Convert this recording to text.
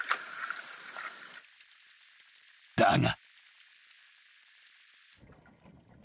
［だが］